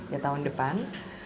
ya tahun depan